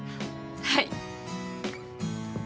はい！